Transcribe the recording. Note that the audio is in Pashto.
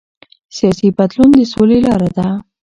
سیاسي بدلون د سولې لاره ده